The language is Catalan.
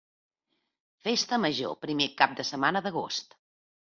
Festa Major primer cap de setmana d'agost.